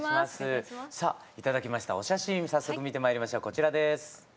さあ頂きましたお写真早速見てまいりましょうこちらです。